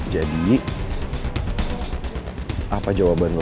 jadi apa jawaban lo